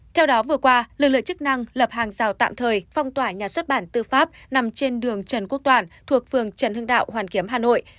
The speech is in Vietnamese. theo đó vừa qua lực lượng chức năng lập hàng rào tạm thời phong tỏa nhà xuất bản tư pháp nằm trên đường trần quốc toàn thuộc phường trần hưng đạo hoàn kiếm hà nội